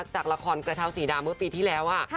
จากละครกระเช้าสีดาเมื่อปีที่แล้ว